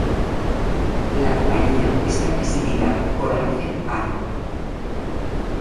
La compañía está presidida por Ángel Haro.